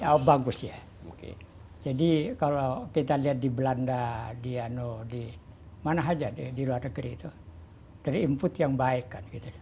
iya bagus jadi kalau kita lihat di belanda di mana saja di luar negeri itu dari input yang baik